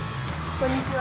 こんにちは！